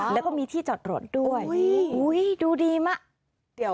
แล้วก็มีที่จอดรถด้วยอุ้ยดูดีมาก